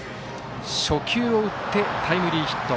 初球を打って、タイムリーヒット。